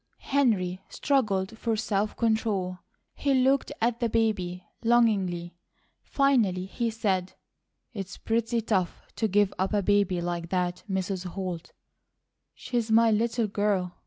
Henry struggled for self control. He looked at the baby longingly. Finally he said: "It's pretty tough to give up a baby like that, Mrs. Holt. She's my little girl.